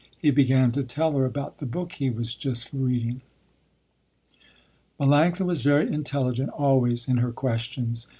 He began to tell her about the book he was just reading. Melanctha was very intelligent always in her questions.